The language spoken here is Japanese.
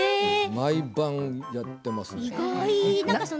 毎晩やっていますね。